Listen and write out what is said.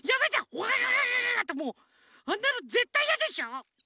ゴガガガガガガってもうあんなのぜったいやでしょ？